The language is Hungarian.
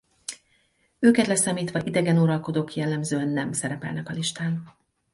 Őket leszámítva idegen uralkodók jellemzően nem szerepelnek a listán.